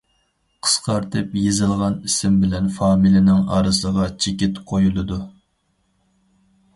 قىسقارتىپ يېزىلغان ئىسىم بىلەن فامىلىنىڭ ئارىسىغا چېكىت قويۇلىدۇ.